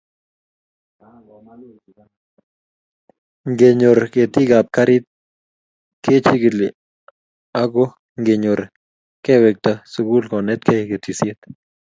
Ngenyor ketikab garit kechikil ako Ngenyor kewekta sukul konetkei ketisiet